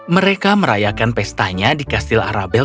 mereka merayakan pestanya di kastil arabel